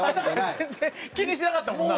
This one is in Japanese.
全然気にしてなかったもんな。